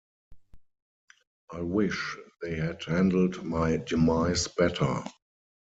I wish they'd handled my demise better.